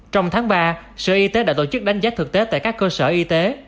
trong tháng ba sở y tế đã tổ chức đánh giá thực tế tại các cơ sở y tế